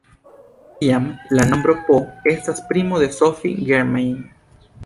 Tiam, la nombro "p" estas primo de Sophie Germain.